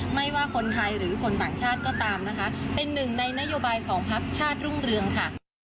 ไม่ว่าคนไทยหรือคนต่างชาติก็ตามนะคะเป็นหนึ่งในนโยบายของพักชาติรุ่งเรืองค่ะ